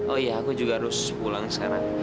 oh iya aku juga harus pulang sekarang